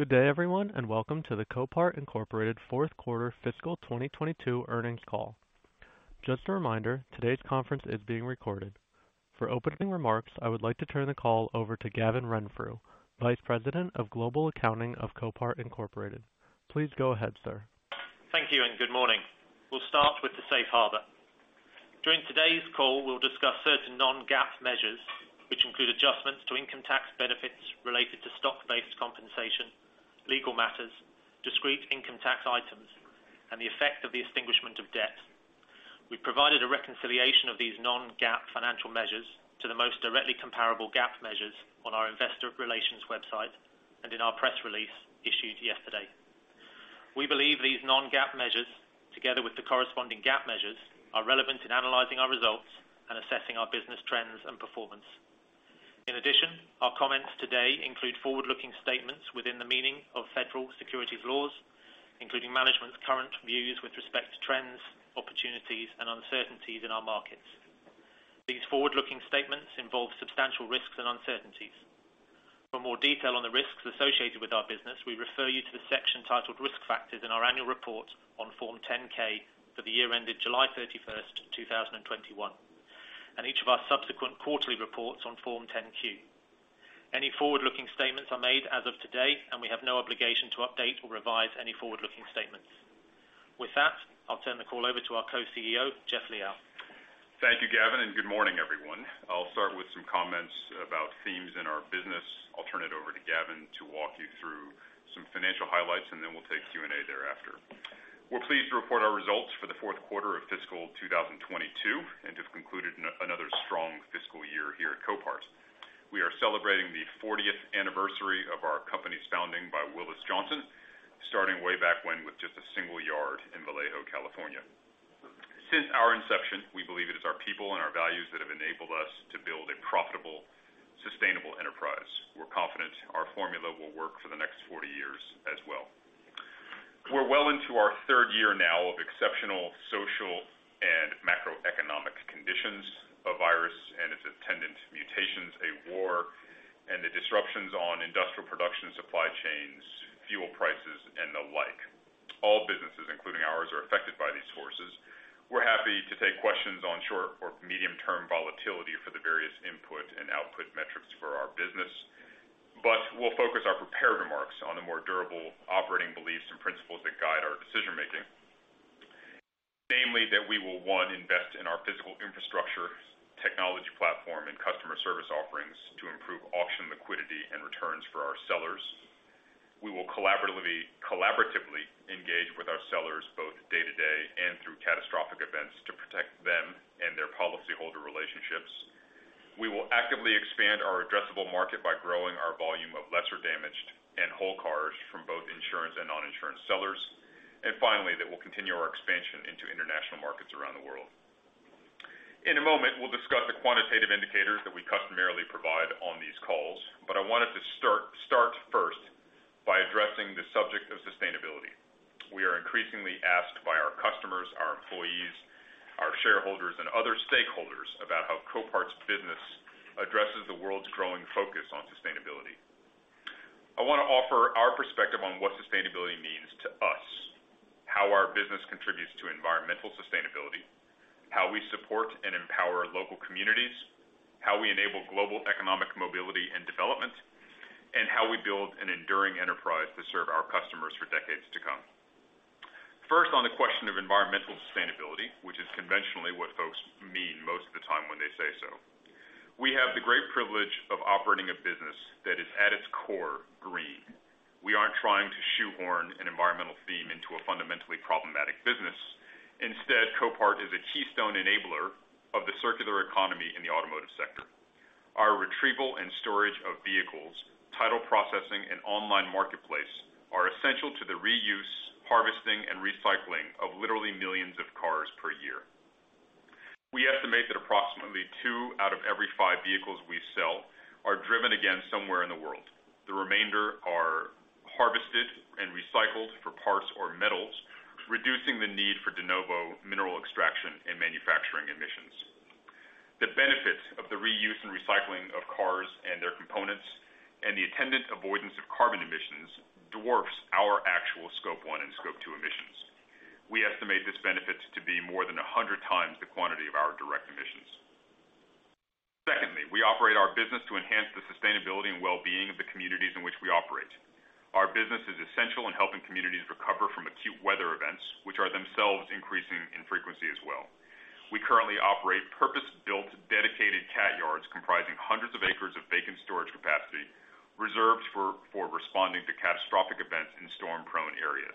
Good day, everyone, and welcome to the Copart Incorporated Fourth Quarter Fiscal 2022 earnings call. Just a reminder, today's conference is being recorded. For opening remarks, I would like to turn the call over to Gavin Renfrew, Vice President of Global Accounting of Copart Incorporated Please go ahead, sir. Thank you and good morning. We'll start with the Safe Harbor. During today's call, we'll discuss certain non-GAAP measures which include adjustments to income tax benefits related to stock-based compensation, legal matters, discrete income tax items, and the effect of the extinguishment of debt. We provided a reconciliation of these non-GAAP financial measures to the most directly comparable GAAP measures on our investor relations website and in our press release issued yesterday. We believe these non-GAAP measures, together with the corresponding GAAP measures, are relevant in analyzing our results and assessing our business trends and performance. In addition, our comments today include forward-looking statements within the meaning of federal securities laws, including management's current views with respect to trends, opportunities, and uncertainties in our markets. These forward-looking statements involve substantial risks and uncertainties. For more detail on the risks associated with our business, we refer you to the section titled Risk Factors in our annual report on Form 10-K for the year ended July 31st, 2021, and each of our subsequent quarterly reports on Form 10-Q. Any forward-looking statements are made as of today, and we have no obligation to update or revise any forward-looking statements. With that, I'll turn the call over to our co-CEO, Jeff Liaw. Thank you, Gavin, and good morning, everyone. I'll start with some comments about themes in our business. I'll turn it over to Gavin to walk you through some financial highlights, and then we'll take Q&A thereafter. We're pleased to report our results for the fourth quarter of fiscal 2022 and to have concluded another strong fiscal year here at Copart. We are celebrating the 40th anniversary of our company's founding by Willis Johnson, starting way back when with just a single yard in Vallejo, California. Since our inception, we believe it is our people and our values that have enabled us to build a profitable, sustainable enterprise. We're confident our formula will work for the next 40 years as well. We're well into our third year now of exceptional social and macroeconomic conditions, a virus and its attendant mutations, a war, and the disruptions on industrial production supply chains, fuel prices, and the like. All businesses, including ours, are affected by these forces. We're happy to take questions on short or medium-term volatility for the various input and output metrics for our business, but we'll focus our prepared remarks on the more durable operating beliefs and principles that guide our decision-making. Namely that we will, one, invest in our physical infrastructure, technology platform, and customer service offerings to improve auction liquidity and returns for our sellers. We will collaboratively engage with our sellers both day to day and through catastrophic events to protect them and their policyholder relationships. We will actively expand our addressable market by growing our volume of lesser damaged and whole cars from both insurance and non-insurance sellers. Finally, that we'll continue our expansion into international markets around the world. In a moment, we'll discuss the quantitative indicators that we customarily provide on these calls, but I wanted to start first by addressing the subject of sustainability. We are increasingly asked by our customers, our employees, our shareholders, and other stakeholders about how Copart's business addresses the world's growing focus on sustainability. I want to offer our perspective on what sustainability means to us, how our business contributes to environmental sustainability, how we support and empower local communities, how we enable global economic mobility and development, and how we build an enduring enterprise to serve our customers for decades to come. First, on the question of environmental sustainability, which is conventionally what folks mean most of the time when they say so. We have the great privilege of operating a business that is at its core green. We aren't trying to shoehorn an environmental theme into a fundamentally problematic business. Instead, Copart is a keystone enabler of the circular economy in the automotive sector. Our retrieval and storage of vehicles, title processing, and online marketplace are essential to the reuse, harvesting, and recycling of literally millions of cars per year. We estimate that approximately two out of every five vehicles we sell are driven again somewhere in the world. The remainder are harvested and recycled for parts or metals, reducing the need for de novo mineral extraction and manufacturing emissions. The benefits of the reuse and recycling of cars and their components and the attendant avoidance of carbon emissions dwarfs our actual Scope one and Scope two emissions. We estimate this benefit to be more than 100 times the quantity of our direct emissions. Secondly, we operate our business to enhance the sustainability and well-being of the communities in which we operate. Our business is essential in helping communities recover from acute weather events, which are themselves increasing in frequency as well. We currently operate purpose-built, dedicated cat yards comprising hundreds of acres of vacant storage capacity reserved for responding to catastrophic events in storm-prone areas.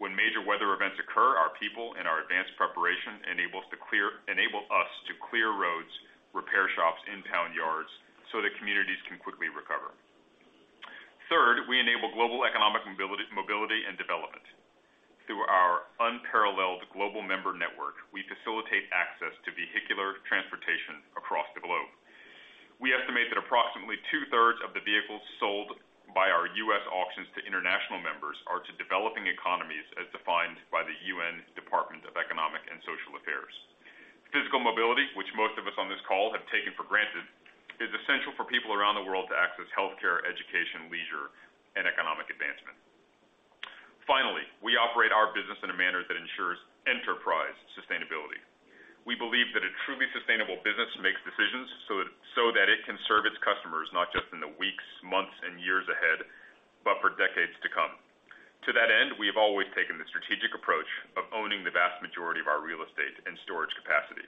When major weather events occur, our people and our advanced preparation enable us to clear roads, repair shops, in-town yards so that communities can quickly recover. Third, we enable global economic mobility and development. Through our unparalleled global member network, we facilitate access to vehicular transportation across the globe. We estimate that approximately two-thirds of the vehicles sold by our U.S. auctions to international members are to developing economies, which most of us on this call have taken for granted, is essential for people around the world to access healthcare, education, leisure, and economic advancement. Finally, we operate our business in a manner that ensures enterprise sustainability. We believe that a truly sustainable business makes decisions so that it can serve its customers not just in the weeks, months and years ahead, but for decades to come. To that end, we have always taken the strategic approach of owning the vast majority of our real estate and storage capacity.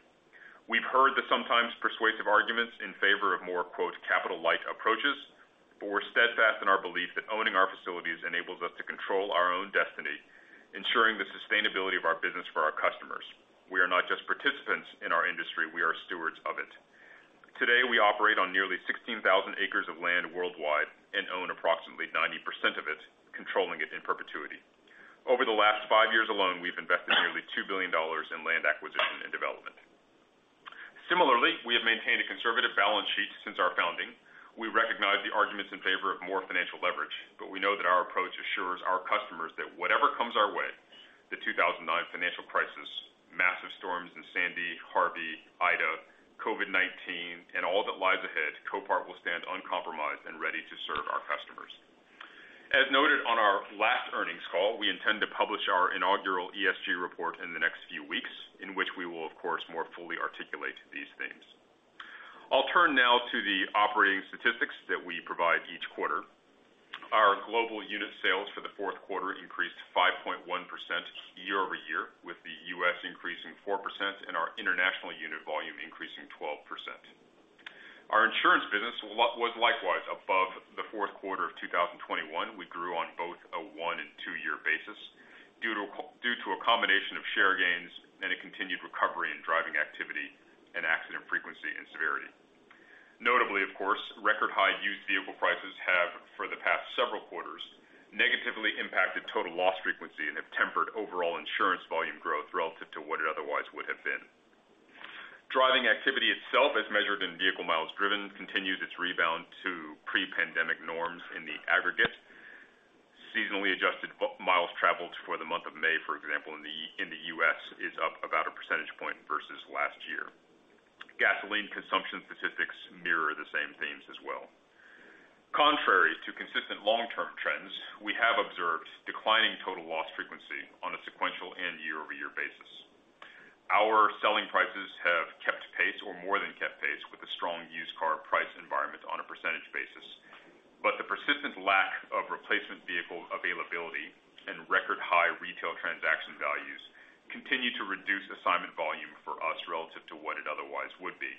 We've heard the sometimes-persuasive arguments in favor of more, quote, "capital-light approaches," but we're steadfast in our belief that owning our facilities enables us to control our own destiny, ensuring the sustainability of our business for our customers. We are not just participants in our industry, we are stewards of it. Today, we operate on nearly 16,000 acres of land worldwide and own approximately 90% of it, controlling it in perpetuity. Over the last five years alone, we've invested nearly $2 billion in land acquisition and development. Similarly, we have maintained a conservative balance sheet since our founding. We recognize the arguments in favor of more financial leverage, but we know that our approach assures our customers that whatever comes our way, the 2009 financial crisis, massive storms in Sandy, Harvey, Ida, COVID-19, and all that lies ahead, Copart will stand uncompromised and ready to serve our customers. As noted on our last earnings call, we intend to publish our inaugural ESG report in the next few weeks, in which we will, of course, more fully articulate these themes. I'll turn now to the operating statistics that we provide each quarter. Our global unit sales for the fourth quarter increased 5.1% year-over-year, with the U.S. increasing 4% and our international unit volume increasing 12%. Our insurance business was likewise above the fourth quarter of 2021. We grew on both a one- and two-year basis due to a combination of share gains and a continued recovery in driving activity and accident frequency and severity. Notably, of course, record high used vehicle prices have, for the past several quarters, negatively impacted total loss frequency and have tempered overall insurance volume growth relative to what it otherwise would have been. Driving activity itself, as measured in vehicle miles driven, continues its rebound to pre-pandemic norms in the aggregate. Seasonally adjusted miles traveled for the month of May, for example, in the U.S., is up about a percentage point versus last year. Gasoline consumption statistics mirror the same themes as well. Contrary to consistent long-term trends, we have observed declining total loss frequency on a sequential and year-over-year basis. Our selling prices have kept pace or more than kept pace with the strong used car price environment on a percentage basis. The persistent lack of replacement vehicle availability and record high retail transaction values continue to reduce assignment volume for us relative to what it otherwise would be.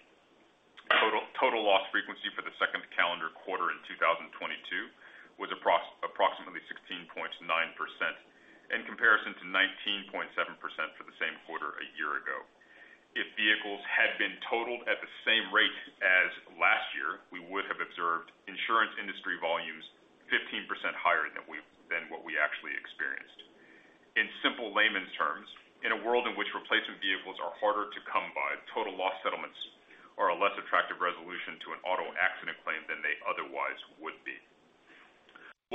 Total loss frequency for the second calendar quarter in 2022 was approximately 16.9% in comparison to 19.7% for the same quarter a year ago. If vehicles had been totaled at the same rate as last year, we would have observed insurance industry volumes 15% higher than what we actually experienced. In simple layman's terms, in a world in which replacement vehicles are harder to come by, total loss settlements are a less attractive resolution to an auto accident claim than they otherwise would be.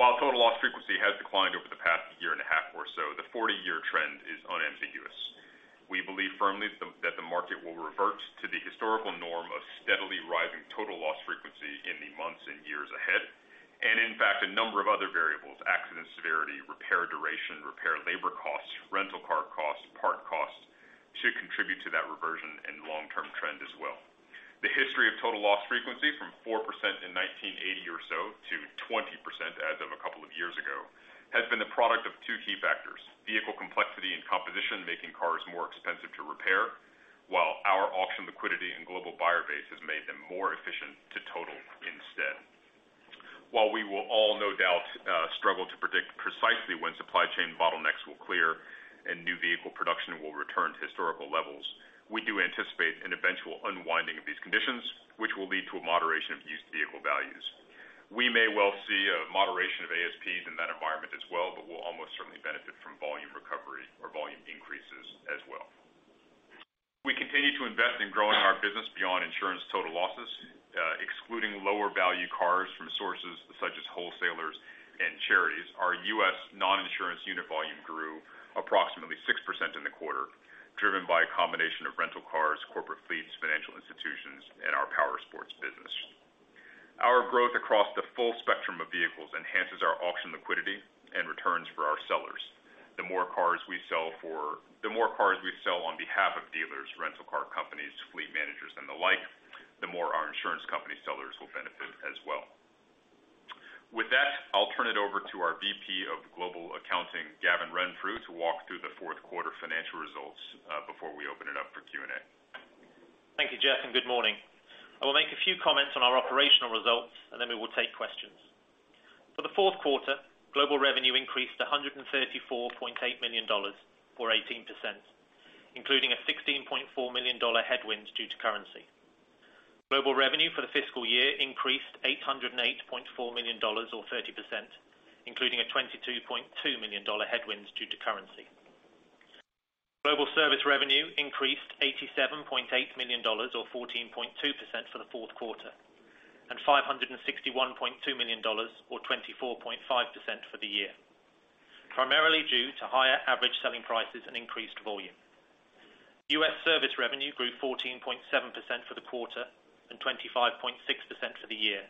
While total loss frequency has declined over the past year and a half or so, the 40-year trend is unambiguous. We believe firmly that the market will revert to the historical norm of steadily rising total loss frequency in the months and years ahead. In fact, a number of other variables, accident severity, repair duration, repair labor costs, rental car costs, part costs should contribute to that reversion and long-term trend as well. The history of total loss frequency from 4% in 1980 or so to 20% as of a couple of years ago has been the product of two key factors. Vehicle complexity and composition making cars more expensive to repair, while our auction liquidity and global buyer base has made them more efficient to total instead. While we will all no doubt struggle to predict precisely when supply chain bottlenecks will clear and new vehicle production will return to historical levels, we do anticipate an eventual unwinding of these conditions, which will lead to a moderation of used vehicle values. We may well see a moderation of ASPs in that environment as well, but we'll almost certainly benefit from volume recovery or volume increases as well. We continue to invest in growing our business beyond insurance total losses, excluding lower value cars from sources such as wholesalers and charities. Our U.S. non-insurance unit volume grew approximately 6% in the quarter, driven by a combination of rental cars, corporate fleets, financial institutions, and our power sports business. Our growth across the full spectrum of vehicles enhances our auction liquidity and returns for our sellers. The more cars we sell on behalf of dealers, rental car companies, fleet managers, and the like, the more our insurance company sellers will benefit as well. With that, I'll turn it over to our VP of Global Accounting, Gavin Renfrew, to walk through the fourth quarter financial results, before we open it up for Q&A. Thank you, Jeff, and good morning. I will make a few comments on our operational results, and then we will take questions. For the fourth quarter, global revenue increased to $134.8 million or 18%, including a $16.4 million headwind due to currency. Global revenue for the fiscal year increased $808.4 million or 30%, including a $22.2 million headwinds due to currency. Global service revenue increased $87.8 million or 14.2% for the fourth quarter, and $561.2 million or 24.5% for the year. Primarily due to higher average selling prices and increased volume. U.S. service revenue grew 14.7% for the quarter and 25.6% for the year,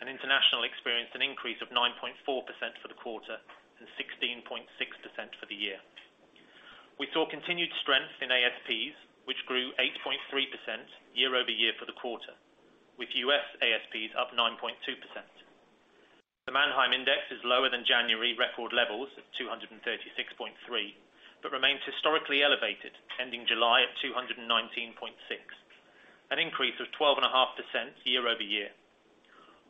and international experienced an increase of 9.4% for the quarter and 16.6% for the year. We saw continued strength in ASPs, which grew 8.3% year-over-year for the quarter, with U.S. ASPs up 9.2%. The Manheim Index is lower than January record levels of 236.3, but remains historically elevated, ending July at 219.6, an increase of 12.5% year-over-year.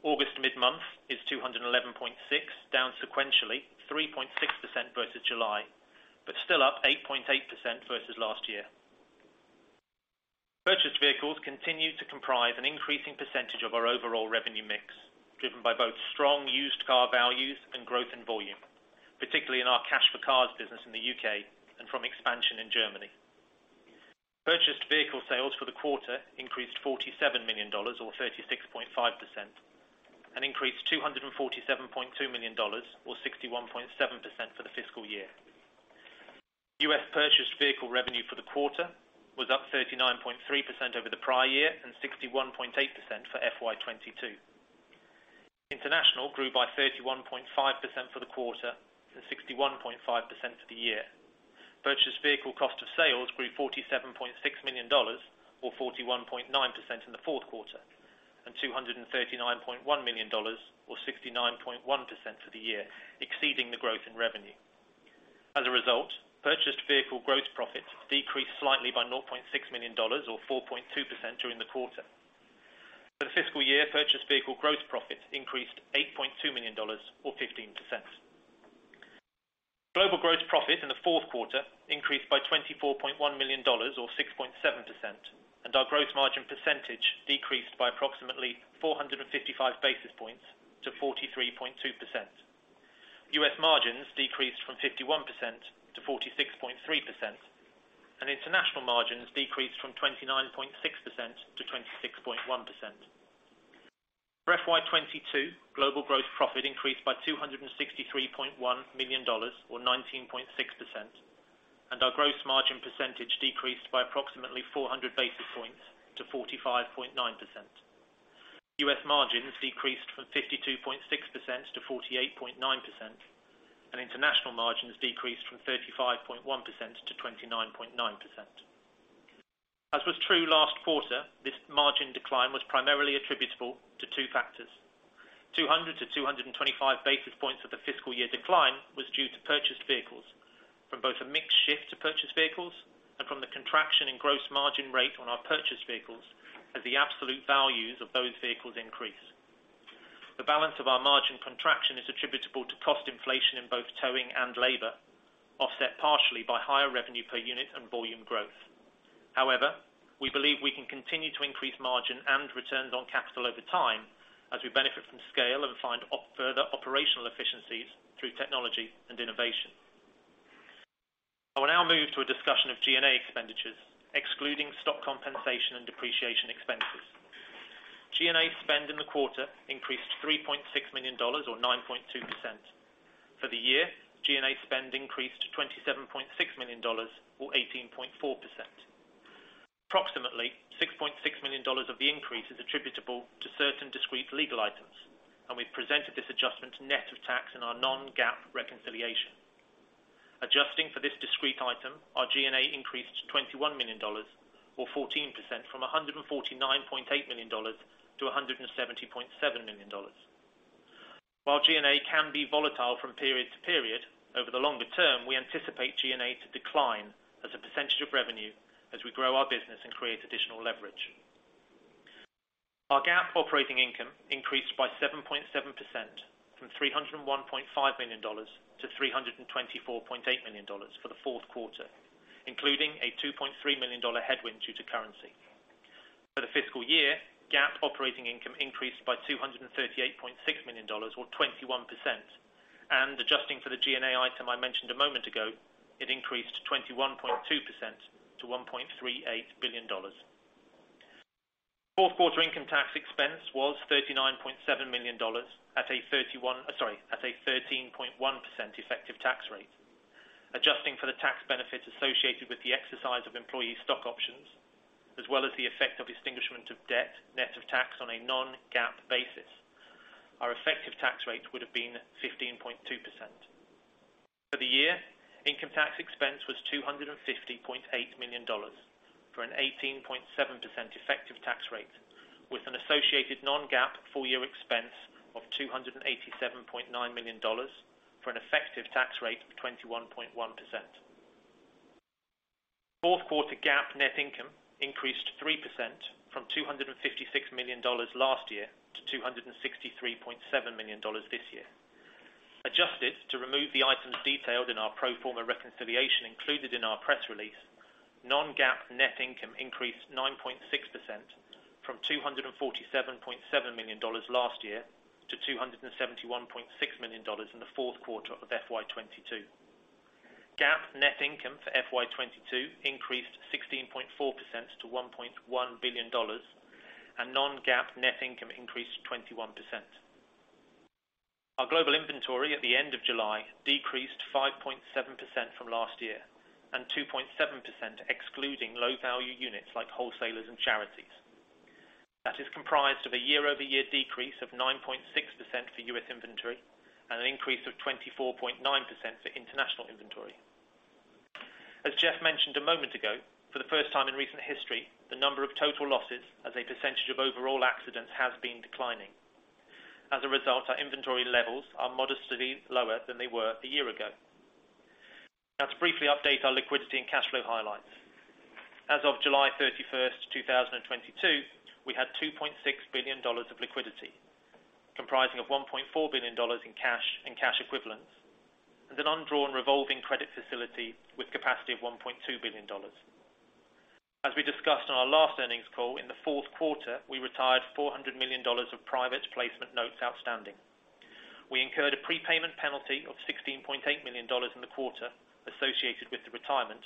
August mid-month is 211.6, down sequentially 3.6% versus July, but still up 8.8% versus last year. Purchased vehicles continue to comprise an increasing percentage of our overall revenue mix, driven by both strong used car values and growth in volume, particularly in our Cash For Cars business in the U.K. and from expansion in Germany. Purchased vehicle sales for the quarter increased $47 million or 36.5% and increased $247.2 million or 61.7% for the fiscal year. U.S. purchased vehicle revenue for the quarter was up 39.3% over the prior year and 61.8% for FY 2022. International grew by 31.5% for the quarter and 61.5% for the year. Purchased vehicle cost of sales grew $47.6 million or 41.9% in the fourth quarter and $239.1 million or 69.1% for the year, exceeding the growth in revenue. As a result, purchased vehicle gross profit decreased slightly by $0.6 million or 4.2% during the quarter. For the fiscal year, purchased vehicle gross profit increased $8.2 million or 15%. Global gross profit in the fourth quarter increased by $24.1 million or 6.7%, and our gross margin percentage decreased by approximately 455 basis points to 43.2%. U.S. margins decreased from 51%-46.3%, and international margins decreased from 29.6%-26.1%. For FY 2022, global gross profit increased by $263.1 million or 19.6%, and our gross margin percentage decreased by approximately 400 basis points to 45.9%. U.S. margins decreased from 52.6%-48.9%, and international margins decreased from 35.1%-29.9%. As was true last quarter, this margin decline was primarily attributable to two factors. 200-225 basis points of the fiscal year decline was due to purchased vehicles from both a mix shift to purchased vehicles and from the contraction in gross margin rate on our purchased vehicles as the absolute values of those vehicles increase. The balance of our margin contraction is attributable to cost inflation in both towing and labor, offset partially by higher revenue per unit and volume growth. However, we believe we can continue to increase margin and returns on capital over time as we benefit from scale and find further operational efficiencies through technology and innovation. I will now move to a discussion of G&A expenditures, excluding stock compensation and depreciation expenses. G&A spend in the quarter increased $3.6 million or 9.2%. For the year, G&A spend increased to $27.6 million or 18.4%. Approximately $6.6 million of the increase is attributable to certain discrete legal items, and we've presented this adjustment net of tax in our non-GAAP reconciliation. Adjusting for this discrete item, our G&A increased to $21 million or 14% from $149.8 million-$170.7 million. While G&A can be volatile from period to period, over the longer term, we anticipate G&A to decline as a percentage of revenue as we grow our business and create additional leverage. Our GAAP operating income increased by 7.7% from $301.5 million-$324.8 million for the fourth quarter, including a $2.3 million headwind due to currency. For the fiscal year, GAAP operating income increased by $238.6 million or 21%. Adjusting for the G&A item I mentioned a moment ago, it increased to 21.2% to $1.38 billion. Fourth quarter income tax expense was $39.7 million at a 13.1% effective tax rate. Adjusting for the tax benefits associated with the exercise of employee stock options, as well as the effect of extinguishment of debt net of tax on a non-GAAP basis, our effective tax rate would have been 15.2%. For the year, income tax expense was $250.8 million for an 18.7% effective tax rate with an associated non-GAAP full year expense of $287.9 million for an effective tax rate of 21.1%. Fourth quarter GAAP net income increased 3% from $256 million last year to $263.7 million this year. Adjusted to remove the items detailed in our pro forma reconciliation included in our press release, non-GAAP net income increased 9.6% from $247.7 million last year to $271.6 million in the fourth quarter of FY 2022. GAAP net income for FY 2022 increased 16.4% to $1.1 billion, and non-GAAP net income increased 21%. Our global inventory at the end of July decreased 5.7% from last year and 2.7% excluding low value units like wholesalers and charities. That is comprised of a year-over-year decrease of 9.6% for U.S. inventory and an increase of 24.9% for international inventory. As Jeff mentioned a moment ago, for the first time in recent history, the number of total losses as a percentage of overall accidents has been declining. As a result, our inventory levels are modestly lower than they were a year ago. Now to briefly update our liquidity and cash flow highlights. As of July 31st, 2022, we had $2.6 billion of liquidity comprising of $1.4 billion in cash and cash equivalents and an undrawn revolving credit facility with capacity of $1.2 billion. As we discussed on our last earnings call, in the fourth quarter, we retired $400 million of private placement notes outstanding. We incurred a prepayment penalty of $16.8 million in the quarter associated with the retirement,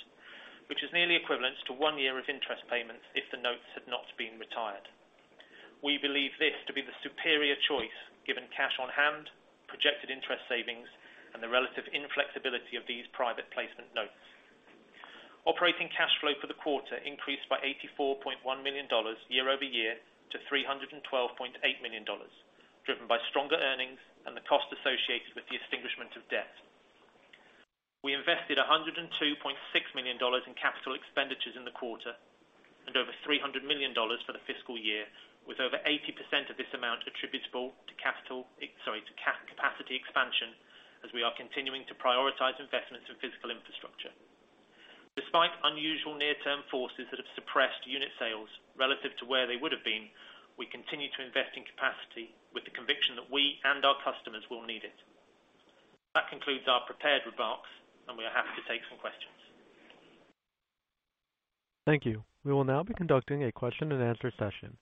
which is nearly equivalent to one year of interest payments if the notes had not been retired. We believe this to be the superior choice given cash on hand, projected interest savings, and the relative inflexibility of these private placement notes. Operating cash flow for the quarter increased by $84.1 million year-over-year to $312.8 million, driven by stronger earnings and the costs associated with the extinguishment of debt. We invested $102.6 million in capital expenditures in the quarter and over $300 million for the fiscal year, with over 80% of this amount attributable to capacity expansion as we are continuing to prioritize investments in physical infrastructure. Despite unusual near-term forces that have suppressed unit sales relative to where they would have been, we continue to invest in capacity with the conviction that we and our customers will need it. That concludes our prepared remarks, and we are happy to take some questions. Thank you. We will now be conducting a question and answer session.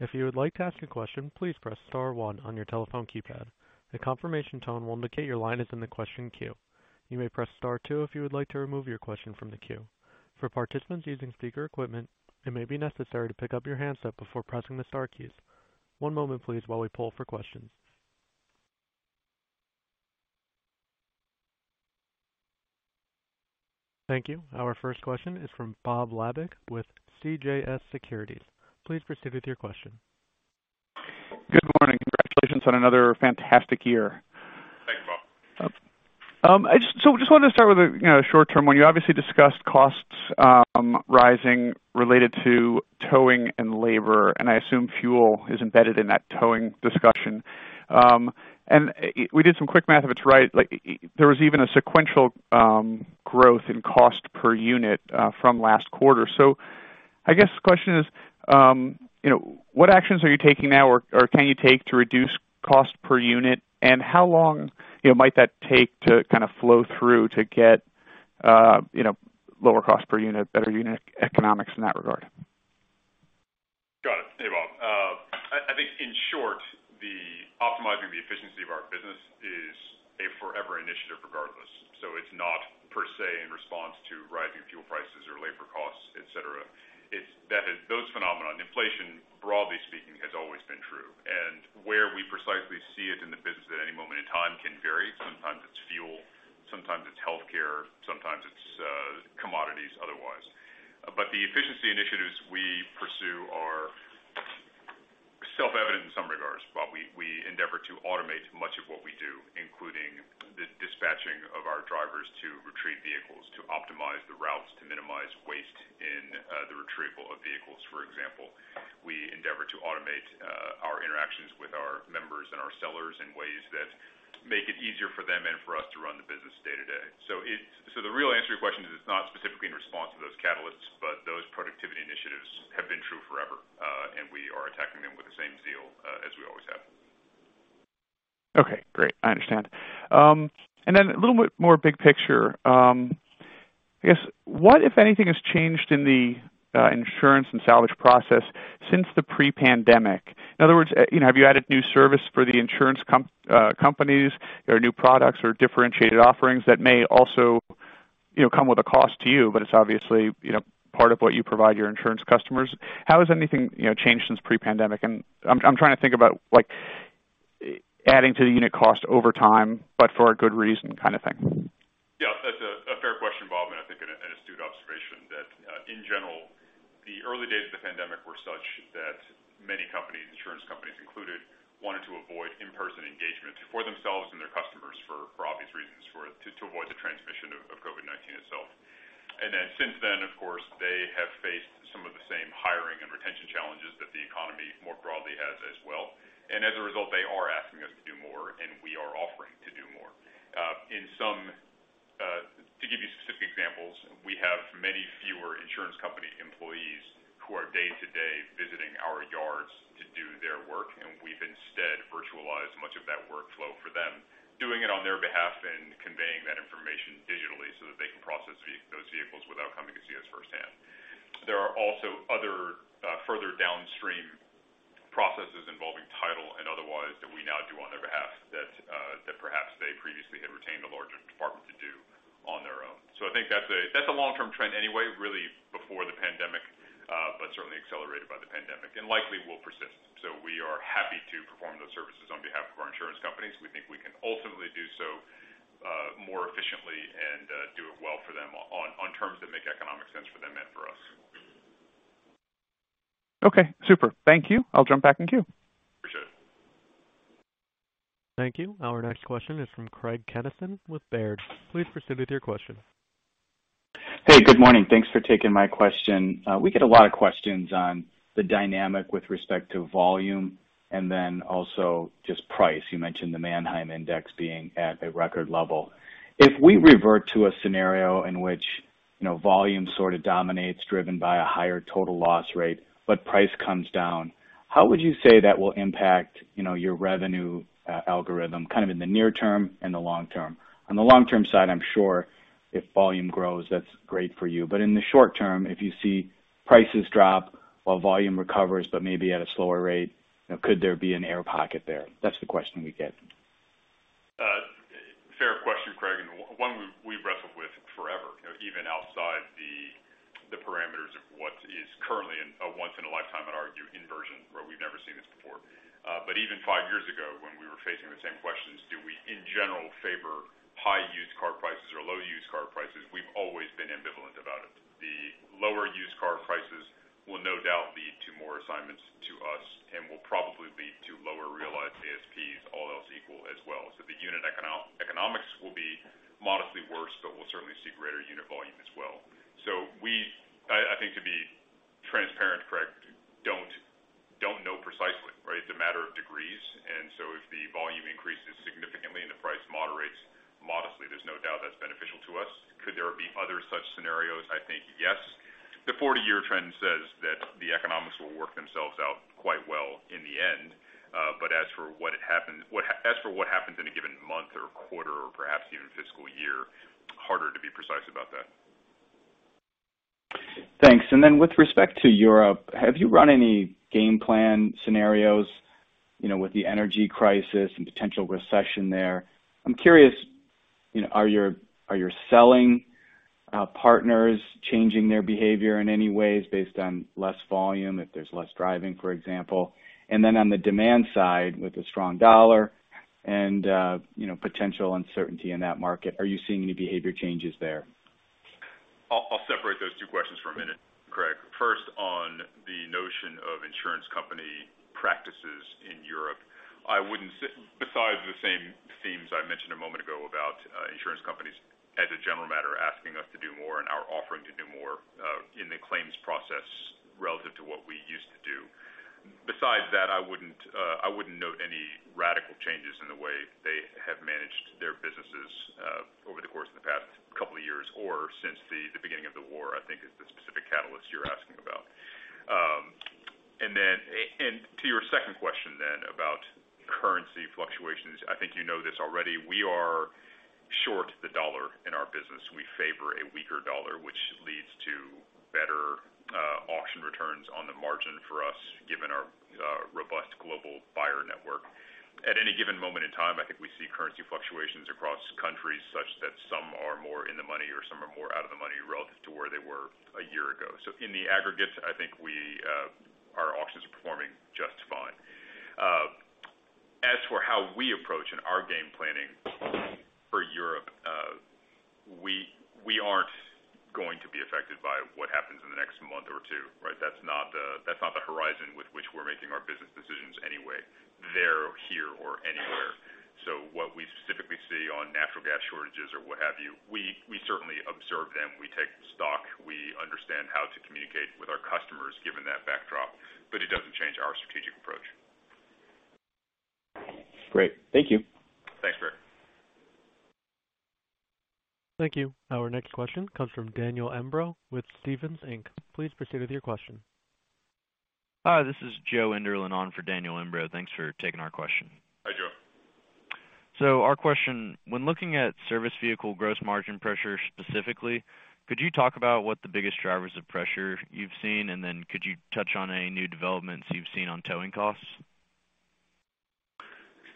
If you would like to ask a question, please press star one on your telephone keypad. A confirmation tone will indicate your line is in the question queue. You may press star two if you would like to remove your question from the queue. For participants using speaker equipment, it may be necessary to pick up your handset before pressing the star keys. One moment please while we poll for questions. Thank you. Our first question is from Bob Labick with CJS Securities. Please proceed with your question. Good morning. Congratulations on another fantastic year. Thanks, Bob. Just wanted to start with a, you know, short term one. You obviously discussed costs rising related to towing and labor, and I assume fuel is embedded in that towing discussion. We did some quick math, if it's right, like there was even a sequential growth in cost per unit from last quarter. I guess the question is, you know, what actions are you taking now or can you take to reduce cost per unit? How long, you know, might that take to kind of flow through to get, you know, lower cost per unit, better unit economics in that regard? Got it. Hey, Bob. I think in short, optimizing the efficiency of our business is a forever initiative regardless. It's not per se in response to rising fuel prices or labor costs, et cetera. It's those phenomena. Inflation, broadly speaking, has always been true. Where we precisely see it in the business at any moment in time can vary. Sometimes it's fuel, sometimes it's healthcare, sometimes it's commodities otherwise. The efficiency initiatives we pursue are self-evident in some regards, Bob. We endeavor to automate much of what we do, including the dispatching of our drivers to retrieve vehicles, to optimize the routes, to minimize waste in the retrieval of vehicles, for example. We endeavor to automate our interactions with our members and our sellers in ways that make it easier for them and for us to run the business day to day. The real answer to your question is it's not specifically in response to those catalysts, but those productivity initiatives have been true forever, and we are attacking them with the same zeal as we always have. Okay, great. I understand. A little bit more big picture. I guess what, if anything, has changed in the insurance and salvage process since pre-pandemic? In other words, you know, have you added new service for the insurance companies or new products or differentiated offerings that may also, you know, come with a cost to you, but it's obviously, you know, part of what you provide your insurance customers? How has anything, you know, changed since pre-pandemic? I'm trying to think about, like, adding to the unit cost over time, but for a good reason kind of thing. Yeah, that's a fair question, Bob, and I think an astute observation that in general, the early days of the pandemic were such that many companies, insurance companies included, wanted to avoid in-person engagement for themselves and their customers for obvious reasons to avoid the transmission of COVID-19 itself. Then since then, of course, they have faced some of the same hiring and retention challenges that the economy more broadly has as well. As a result, they are asking us to do more, and we are offering to do more. To give you specific examples, we have many fewer insurance company employees who are day to day visiting our yards to do their work, and we've instead virtualized much of that workflow for them, doing it on their behalf and conveying that information digitally so that they can process those vehicles without coming to see us firsthand. There are also other, further downstream processes involving title. Otherwise that we now do on their behalf that perhaps they previously had retained a larger department to do on their own. I think that's a long-term trend anyway, really before the pandemic, but certainly accelerated by the pandemic and likely will persist. We are happy to perform those services on behalf of our insurance companies. We think we can ultimately do so more efficiently and do it well for them on terms that make economic sense for them and for us. Okay, super. Thank you. I'll jump back in queue. Appreciate it. Thank you. Our next question is from Craig Kennison with Baird. Please proceed with your question. Hey, good morning. Thanks for taking my question. We get a lot of questions on the dynamic with respect to volume and then also just price. You mentioned the Manheim Index being at a record level. If we revert to a scenario in which, you know, volume sort of dominates, driven by a higher total loss rate, but price comes down, how would you say that will impact, you know, your revenue algorithm kind of in the near term and the long term? On the long-term side, I'm sure if volume grows, that's great for you. But in the short term, if you see prices drop while volume recovers but maybe at a slower rate, you know, could there be an air pocket there? That's the question we get. Fair question, Craig, and one we've wrestled with forever, you know, even outside the parameters of what is currently a once in a lifetime, I'd argue, inversion where we've never seen this before. Even five years ago when we were facing the same questions, do we in general favor high used car prices or low used car prices? We've always been ambivalent about it. The lower used car prices will no doubt lead to more assignments to us and will probably lead to lower realized ASPs, all else equal as well. The unit economics will be modestly worse, but we'll certainly see greater unit volume as well. We, I think to be transparent, Craig, don't know precisely, right? It's a matter of degrees. If the volume increases significantly and the price moderates modestly, there's no doubt that's beneficial to us. Could there be other such scenarios? I think yes. The 40-year trend says that the economics will work themselves out quite well in the end. As for what happens in a given month or a quarter or perhaps even a fiscal year, harder to be precise about that. Thanks. With respect to Europe, have you run any game plan scenarios, you know, with the energy crisis and potential recession there? I'm curious, you know, are your selling partners changing their behavior in any ways based on less volume, if there's less driving, for example? On the demand side, with the strong dollar and, you know, potential uncertainty in that market, are you seeing any behavior changes there? I'll separate those two questions for a minute, Craig. First, on the notion of insurance company practices in Europe, besides the same themes I mentioned a moment ago about insurance companies as a general matter asking us to do more and our offering to do more in the claims process relative to what we used to do. Besides that, I wouldn't note any radical changes in the way they have managed their businesses over the course of the past couple of years or since the beginning of the war, I think is the specific catalyst you're asking about. To your second question about currency fluctuations, I think you know this already. We are short the dollar in our business. We favor a weaker dollar, which leads to better auction returns on the margin for us, given our robust global buyer network. At any given moment in time, I think we see currency fluctuations across countries such that some are more in the money or some are more out of the money relative to where they were a year ago. In the aggregate, I think our auctions are performing just fine. As for how we approach in our game planning for Europe, we aren't going to be affected by what happens in the next month or two, right? That's not the horizon with which we're making our business decisions anyway, there, here or anywhere. What we specifically see on natural gas shortages or what have you, we certainly observe them. We take stock. We understand how to communicate with our customers given that backdrop, but it doesn't change our strategic approach. Great. Thank you. Thanks, Craig. Thank you. Our next question comes from Daniel Imbro with Stephens Inc. Please proceed with your question. Hi, this is Joe Enderlin on for Daniel Imbro. Thanks for taking our question. Hi, Joe. Our question, when looking at service vehicle gross margin pressure specifically, could you talk about what the biggest drivers of pressure you've seen? And then could you touch on any new developments you've seen on towing costs?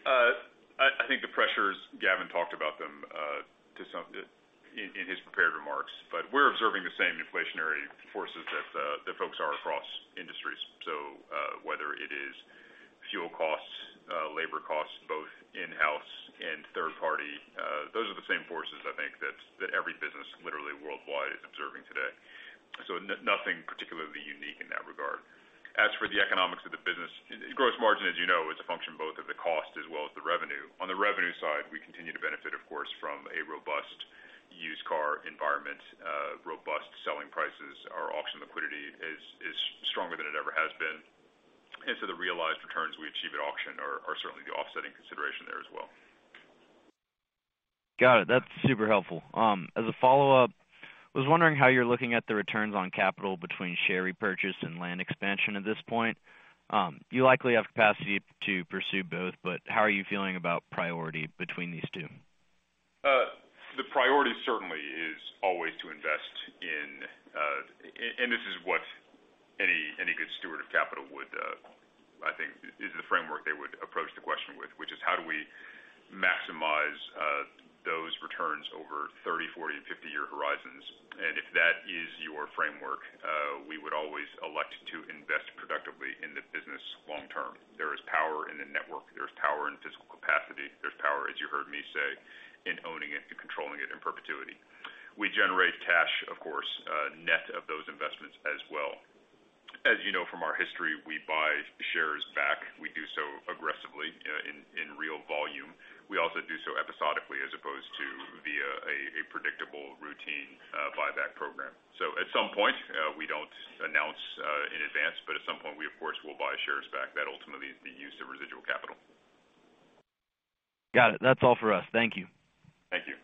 I think the pressures Gavin talked about them in his prepared remarks. We're observing the same inflationary forces that folks are across industries. Whether it is fuel costs, labor costs, both in-house and third party, those are the same forces I think that every business literally worldwide is observing today. Nothing particularly unique in that regard. As for the economics of the business, gross margin, as you know, is a function both of the cost as well as the revenue. On the revenue side, we continue to benefit, of course, from a robust used car environment, robust selling prices. Our auction liquidity is stronger than it ever has been. The realized returns we achieve at auction are certainly the offsetting consideration there as well. Got it. That's super helpful. As a follow-up, I was wondering how you're looking at the returns on capital between share repurchase and land expansion at this point. You likely have capacity to pursue both, but how are you feeling about priority between these two? The priority certainly is always to invest in and this is what any good steward of capital would, I think is the framework they would approach the question with, which is how do we maximize those returns over 30-, 40-, 50-year horizons? If that is your framework, we would always elect to invest productively in the business long term. There is power in the network. There's power in physical capacity. There's power, as you heard me say, in owning it and controlling it in perpetuity. We generate cash, of course, net of those investments as well. As you know from our history, we buy shares back. We do so aggressively in real volume. We also do so episodically as opposed to via a predictable routine buyback program. At some point, we don't announce in advance, but at some point we of course will buy shares back. That ultimately is the use of residual capital. Got it. That's all for us. Thank you. Thank you.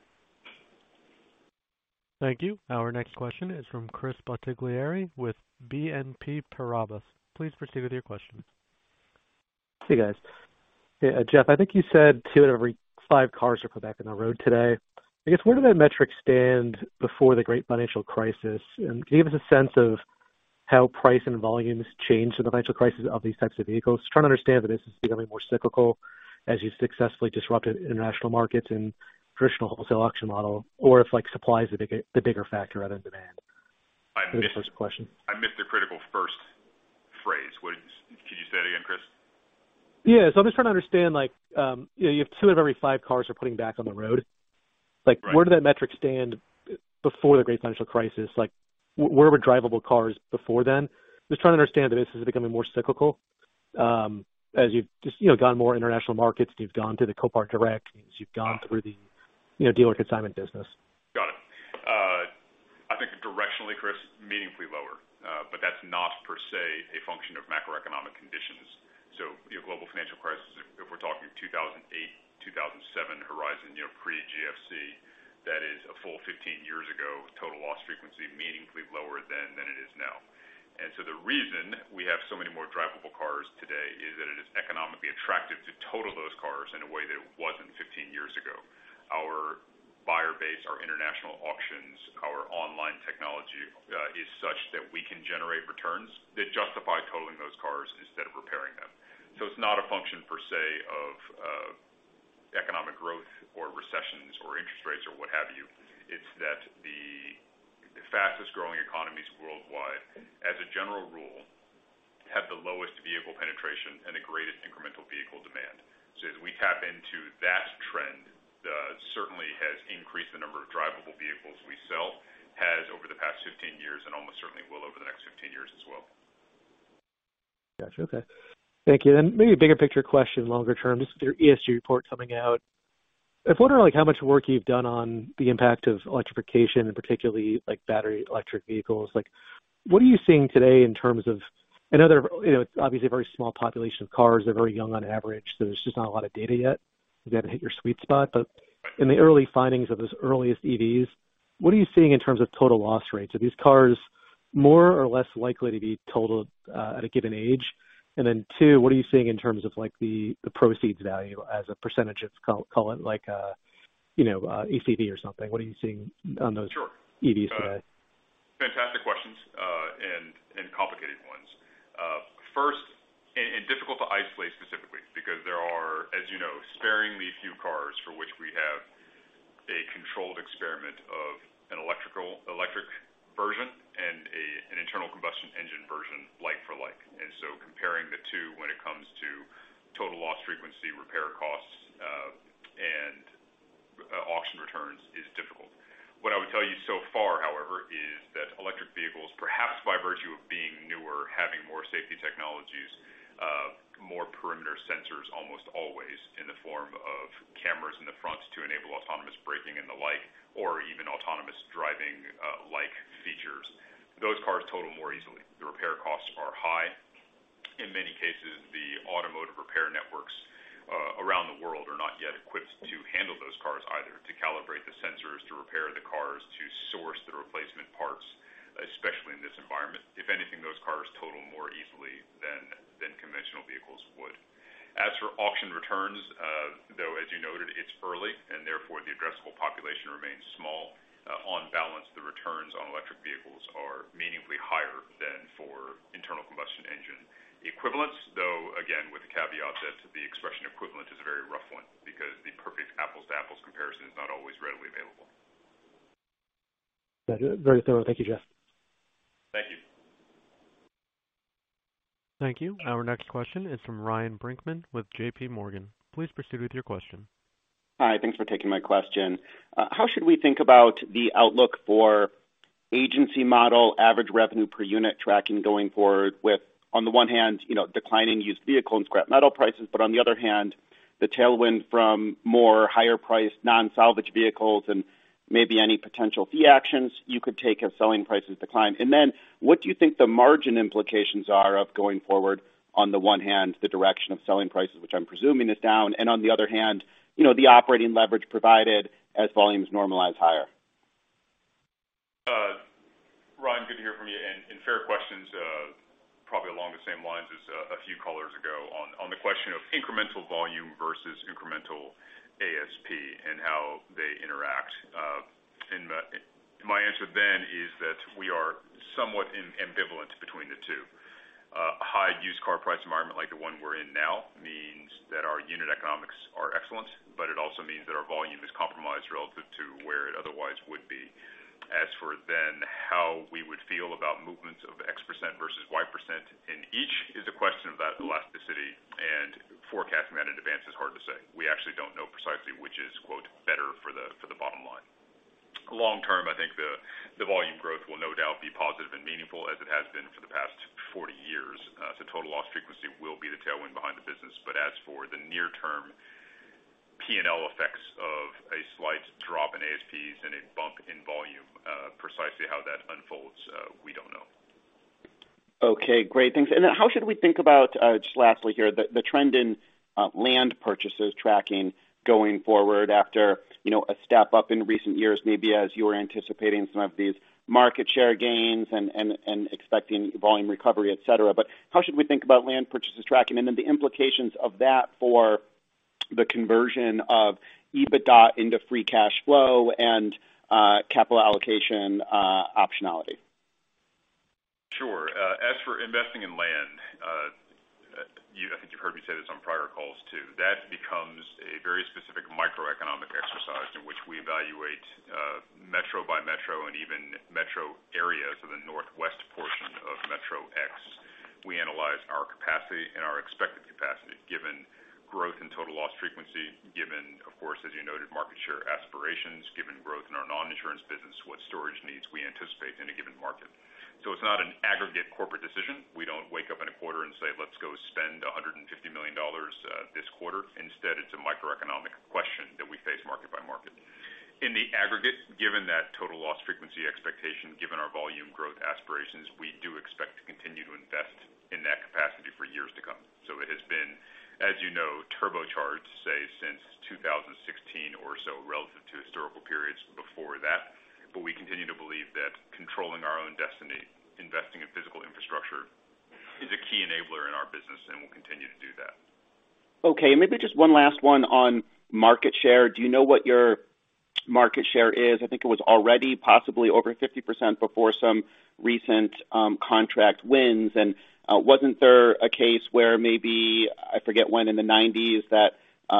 Thank you. Our next question is from Chris Bottiglieri with BNP Paribas. Please proceed with your question. Hey, guys. Yeah, Jeff, I think you said two out of every five cars are put back on the road today. I guess, where did that metric stand before the great financial crisis? Can you give us a sense of how price and volumes changed in the financial crisis of these types of vehicles? Trying to understand that this is becoming more cyclical as you've successfully disrupted international markets and traditional wholesale auction model, or if like supply is the bigger factor other than demand. That's the first question. I missed the critical first phrase. Could you say it again, Chris? Yeah. I'm just trying to understand like, you know, you have two out of every five cars you're putting back on the road. Right. Like, where did that metric stand before the Great Financial Crisis? Like, where were drivable cars before then? Just trying to understand that this is becoming more cyclical, as you've just, you know, gone more into international markets and you've gone to the Copart Direct, you've gone through the, you know, dealer consignment business. Got it. I think directionally, Chris, meaningfully lower. That's not per se a function of macroeconomic conditions. Your global financial crisis, if we're talking 2008, 2007 horizon, you know, pre-GFC, that is a full 15 years ago, total loss frequency meaningfully lower then than it is now. The reason we have so many more drivable cars today is that it is economically attractive to total those cars in a way that it wasn't 15 years ago. Our buyer base, our international auctions, our online technology, is such that we can generate returns that justify totaling those cars instead of repairing them. It's not a function per se of economic growth or recessions or interest rates or what have you. It's that the fastest-growing economies worldwide, as a general rule, have the lowest vehicle penetration and the greatest incremental vehicle demand. As we tap into that trend, that certainly has increased the number of drivable vehicles we sell, has over the past 15 years, and almost certainly will over the next 15 years as well. Gotcha. Okay. Thank you. Maybe a bigger picture question longer term. With your ESG report coming out, I was wondering like how much work you've done on the impact of electrification and particularly like battery electric vehicles. Like, what are you seeing today in terms of? I know they're, you know, obviously a very small population of cars. They're very young on average, so there's just not a lot of data yet. You haven't hit your sweet spot. But in the early findings of those earliest EVs, what are you seeing in terms of total loss rates? Are these cars more or less likely to be totaled at a given age? And then two, what are you seeing in terms of like the proceeds value as a percentage of, call it like, you know, ACV or something? What are you seeing on those? Sure. EVs today? Fantastic questions and complicated ones. First, difficult to isolate specifically because there are, as you know, sparingly few cars for which we have a controlled experiment of an electric version and an internal combustion engine version like for like. Comparing the two when it comes to total loss frequency, repair costs, and auction returns is difficult. What I would tell you so far, however, is that electric vehicles, perhaps by virtue of being newer, having more safety technologies, more perimeter sensors almost always in the form of cameras in the front to enable autonomous braking and the like, or even autonomous driving, like features, those cars total more easily. The repair costs are high. In many cases, the automotive repair networks around the world are not yet equipped to handle those cars either to calibrate the sensors, to repair the cars, to source the replacement parts, especially in this environment. If anything, those cars total more easily than conventional vehicles would. As for auction returns, though, as you noted, it's early and therefore the addressable population remains small. On balance, the returns on electric vehicles are meaningfully higher than for internal combustion engine equivalents, though again, with the caveat that the expression equivalent is a very rough one because the perfect apples-to-apples comparison is not always readily available. Very thorough. Thank you, Jeff. Thank you. Thank you. Our next question is from Ryan Brinkman with J.P. Morgan. Please proceed with your question. Hi. Thanks for taking my question. How should we think about the outlook for agency model average revenue per unit tracking going forward with, on the one hand, you know, declining used vehicle and scrap metal prices, but on the other hand, the tailwind from more higher priced non-salvage vehicles and maybe any potential fee actions you could take if selling prices decline? What do you think the margin implications are of going forward on the one hand, the direction of selling prices, which I'm presuming is down, and on the other hand, you know, the operating leverage provided as volumes normalize higher? Ryan, good to hear from you and fair questions. Probably along the same lines as a few callers ago on the question of incremental volume versus incremental ASP and how they interact. My answer then is that we are somewhat ambivalent between the two. A high used car price environment like the one we're in now means that our unit economics are excellent, but it also means that our volume is compromised relative to where it otherwise would be. As for then how we would feel about movements of X% versus Y% in each is a question of that elasticity and forecasting that in advance is hard to say. We actually don't know precisely which is, quote, better for the bottom line. Long term, I think the volume growth will no doubt be positive and meaningful as it has been for the past 40 years. Total loss frequency will be the tailwind behind the business. As for the near-term P&L effects of a slight drop in ASPs and a bump in volume, precisely how that unfolds, we don't know. Okay. Great. Thanks. How should we think about, just lastly here, the trend in land purchases tracking going forward after, you know, a step up in recent years, maybe as you were anticipating some of these market share gains and expecting volume recovery, et cetera? How should we think about land purchases tracking and then the implications of that for the conversion of EBITDA into free cash flow and capital allocation optionality? Sure. As for investing in land, I think you've heard me say this on prior calls too. That becomes a very specific microeconomic exercise in which we evaluate, metro by metro and even metro areas of the northwest portion of Metro X. We analyze our capacity and our expected capacity, given growth in total loss frequency, given, of course, as you noted, market share aspirations, given growth in our non-insurance business, what storage needs we anticipate in a given market. It's not an aggregate corporate decision. We don't wake up in a quarter and say, "Let's go spend $150 million this quarter." Instead, it's a microeconomic question that we face market by market. In the aggregate, given that total loss frequency expectation, given our volume growth aspirations, we do expect to continue to invest in that capacity for years to come. It has been, as you know, turbocharged, say, since 2016 or so relative to historical periods before that. We continue to believe that controlling our own destiny, investing in physical infrastructure is a key enabler in our business, and we'll continue to do that. Okay, maybe just one last one on market share. Do you know what your market share is? I think it was already possibly over 50% before some recent contract wins. Wasn't there a case where maybe, I forget when in the 1990s, that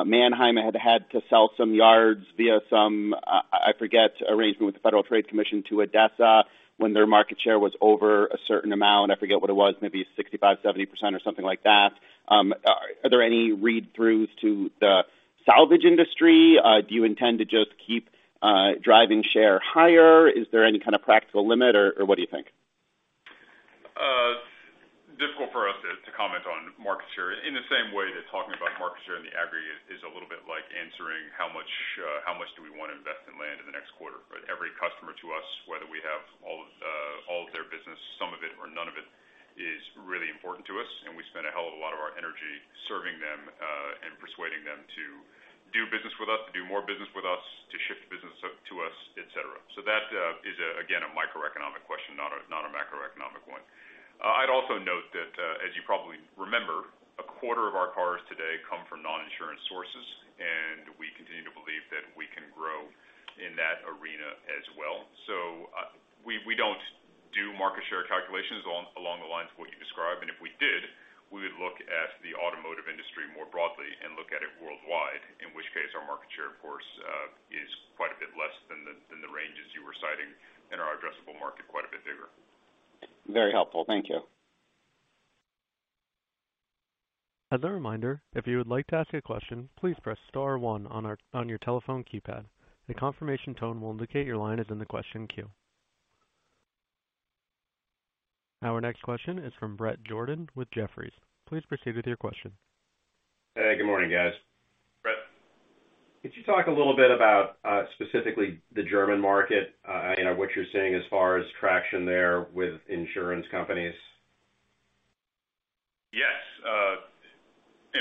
Manheim had to sell some yards via some, I forget, arrangement with the Federal Trade Commission to ADESA when their market share was over a certain amount? I forget what it was, maybe 65%, 70% or something like that. Are there any read-throughs to the salvage industry? Do you intend to just keep driving share higher? Is there any kind of practical limit or what do you think? Difficult for us to comment on market share in the same way that talking about market share in the aggregate is a little bit like answering how much do we want to invest in land in the next quarter. Every customer to us, whether we have all of their business, some of it or none of it, is really important to us, and we spend a hell of a lot of our energy serving them and persuading them to do business with us, to do more business with us, to shift business to us, et cetera. That is again a microeconomic question, not a macroeconomic one. I'd also note that, as you probably remember, 1/4 of our cars today come from non-insurance sources, and we continue to believe that we can grow in that arena as well. We don't do market share calculations along the lines of what you described. If we did, we would look at the automotive industry more broadly and look at it worldwide, in which case our market share, of course, is quite a bit less than the ranges you were citing and our addressable market quite a bit bigger. Very helpful. Thank you. As a reminder, if you would like to ask a question, please press star one on your telephone keypad. A confirmation tone will indicate your line is in the question queue. Our next question is from Bret Jordan with Jefferies. Please proceed with your question. Hey, good morning, guys. Bret. Could you talk a little bit about specifically the German market, you know, what you're seeing as far as traction there with insurance companies? Yes.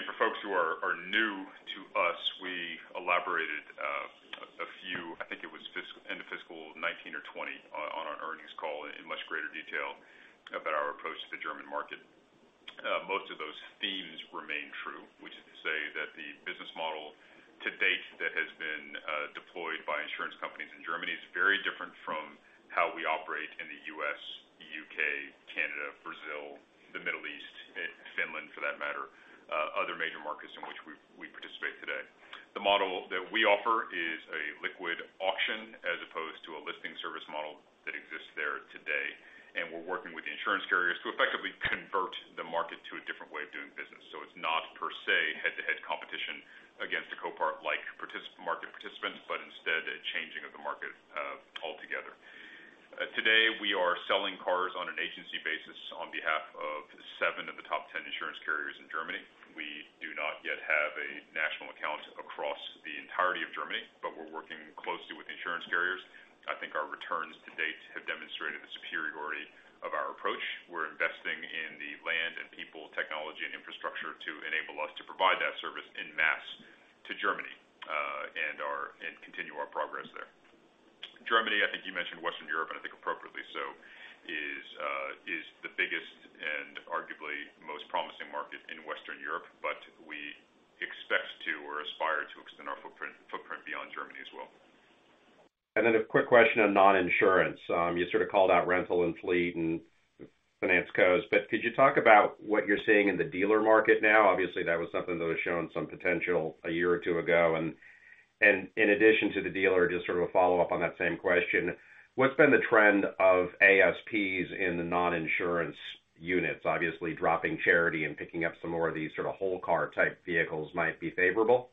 For folks who are new to us, we elaborated a few, I think it was end of fiscal 2019 or 2020 on our earnings call in much greater detail about our approach to the German market. Most of those themes remain true, which is to say that the business model to date that has been deployed by insurance companies in Germany is very different from how we operate in the U.S., the U.K., Canada, Brazil, the Middle East, Finland, for that matter, other major markets in which we participate today. The model that we offer is a liquid auction as opposed to a listing service model that exists there today. We're working with the insurance carriers to effectively convert the market to a different way of doing business. It's not per se head-to-head competition against a Copart like market participant, but instead a changing of the market altogether. Today, we are selling cars on an agency basis on behalf of seven of the top 10 insurance carriers in Germany. We do not yet have a national account across the entirety of Germany, but we're working closely with insurance carriers. I think our returns to date have demonstrated the superiority of our approach. We're investing in the land and people, technology and infrastructure to enable us to provide that service en masse to Germany, and continue our progress there. Germany, I think you mentioned Western Europe, and I think appropriately so, is the biggest and arguably most promising market in Western Europe, but we expect to or aspire to extend our footprint beyond Germany as well. Then a quick question on non-insurance. You sort of called out rental and fleet and finance co's, but could you talk about what you're seeing in the dealer market now? Obviously, that was something that was showing some potential a year or two ago. In addition to the dealer, just sort of a follow-up on that same question, what's been the trend of ASPs in the non-insurance units? Obviously, dropping charity and picking up some more of these sort of whole car type vehicles might be favorable.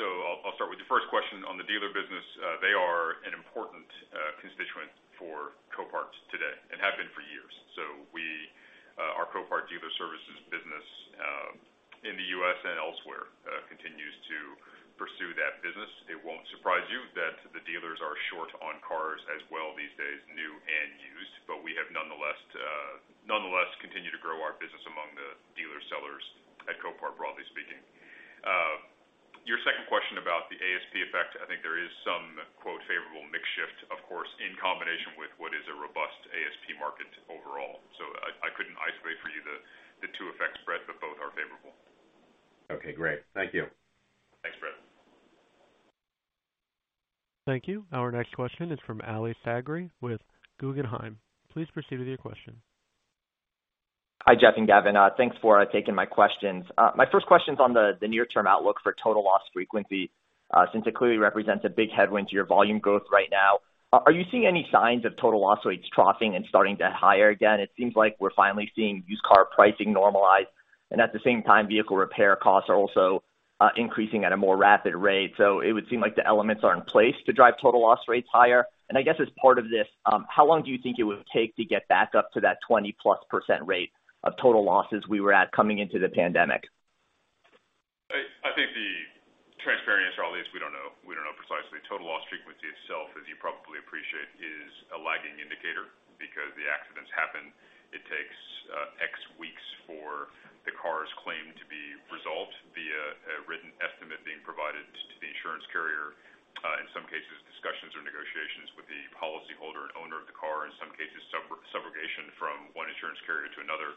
I'll start with the first question on the dealer business. They are an important constituent for Copart today and have been for years. We, our Copart Dealer Services business, in the U.S. and elsewhere, continues to pursue that business. It won't surprise you that the dealers are short on cars as well these days, new and used, but we have nonetheless continued to grow our business among the dealer sellers at Copart, broadly speaking. Your second question about the ASP effect, I think there is some quote favorable mix shift, of course, in combination with what is a robust ASP market overall. I couldn't isolate for you the two effects, Bret, but both are favorable. Okay, great. Thank you. Thanks, Bret. Thank you. Our next question is from Ali Faghri with Guggenheim. Please proceed with your question. Hi, Jeff and Gavin. Thanks for taking my questions. My first question is on the near-term outlook for total loss frequency, since it clearly represents a big headwind to your volume growth right now. Are you seeing any signs of total loss rates troughing and starting to higher again? It seems like we're finally seeing used car pricing normalize, and at the same time, vehicle repair costs are also increasing at a more rapid rate. It would seem like the elements are in place to drive total loss rates higher. I guess as part of this, how long do you think it would take to get back up to that 20%+ rate of total losses we were at coming into the pandemic? I think the transparent answer, Ali, is we don't know. We don't know precisely. Total loss frequency itself, as you probably appreciate, is a lagging indicator because the accidents happen. It takes X weeks for the car's claim to be resolved via a written estimate being provided to the insurance carrier. In some cases, discussions or negotiations with the policyholder and owner of the car, in some cases, subrogation from one insurance carrier to another.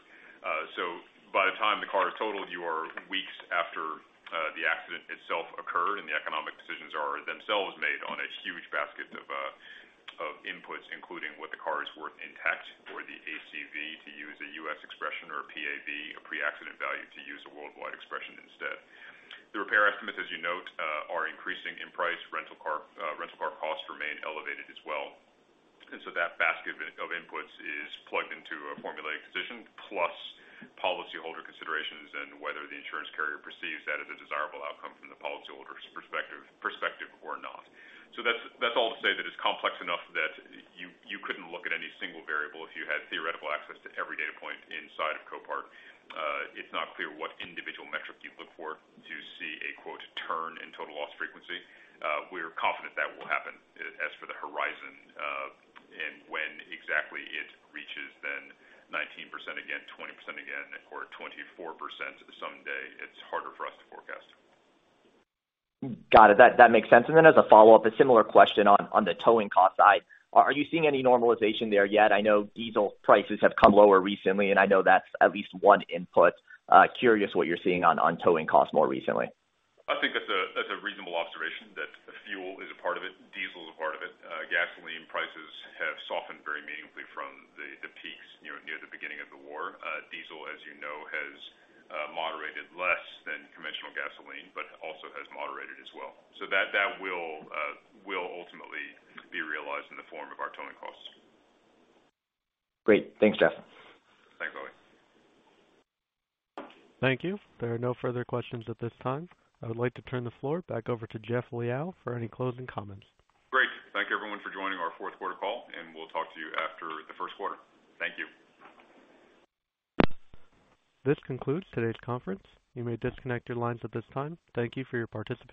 By the time the car is totaled, you are weeks after the accident itself occurred, and the economic decisions are themselves made on a huge basket of inputs, including what the car is worth intact or the ACV, to use a U.S. expression or PAV, a pre-accident value, to use a worldwide expression instead. The repair estimates, as you note, are increasing in price. Rental car costs remain elevated as well. That basket of inputs is plugged into a formulaic decision plus policyholder considerations and whether the insurance carrier perceives that as a desirable outcome from the policyholder's perspective or not. That's all to say that it's complex enough that you couldn't look at any single variable if you had theoretical access to every data point inside of Copart. It's not clear what individual metric you'd look for to see a turn in total loss frequency. We're confident that will happen. As for the horizon, and when exactly it reaches then 19% again, 20% again, or 24% someday, it's harder for us to forecast. Got it. That makes sense. As a follow-up, a similar question on the towing cost side. Are you seeing any normalization there yet? I know diesel prices have come lower recently, and I know that's at least one input. Curious what you're seeing on towing costs more recently. I think that's a reasonable observation that fuel is a part of it. Diesel is a part of it. Gasoline prices have softened very meaningfully from the peaks near the beginning of the war. Diesel, as you know, has moderated less than conventional gasoline, but also has moderated as well. That will ultimately be realized in the form of our towing costs. Great. Thanks, Jeff. Thanks, Ali. Thank you. There are no further questions at this time. I would like to turn the floor back over to Jeff Liaw for any closing comments. Great. Thank you, everyone, for joining our fourth quarter call, and we'll talk to you after the first quarter. Thank you. This concludes today's conference. You may disconnect your lines at this time. Thank you for your participation.